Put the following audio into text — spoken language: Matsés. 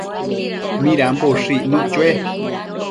¿Midambo ushëc icnuc chue?